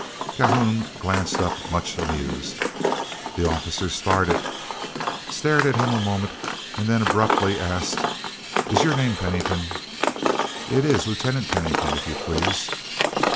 Calhoun glanced up much amused. The officer started, stared at him a moment, and then abruptly asked, "Is your name Pennington?" "It is, Lieutenant Pennington, if you please."